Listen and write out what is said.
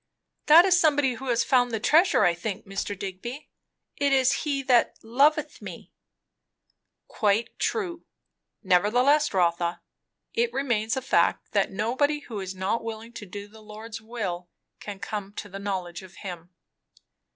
'" "That is somebody who has found the treasure, I think, Mr. Digby; it is 'he that loveth me.'" "Quite true; nevertheless, Rotha, it remains a fact that nobody who is not willing to do the Lord's will, can come to the knowledge of him."